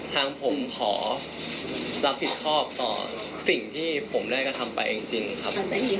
ทางผมขอรับผิดชอบต่อสิ่งที่ผมได้กระทำไปจริงครับ